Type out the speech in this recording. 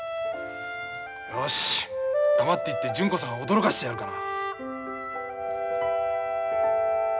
よし黙って行って純子さんを驚かしてやるかな。